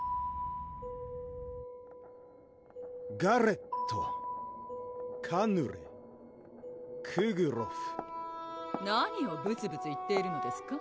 ガレットカヌレクグロフ何をブツブツ言っているのですか？